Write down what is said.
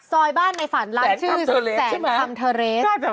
ซอยบ้านในฝันร้านชื่อแสนคำเทอร์เรสแสนคำเทอร์เรสใช่ไหม